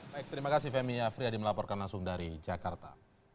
baik terima kasih femi afriyadi melaporkan langsung dari jakarta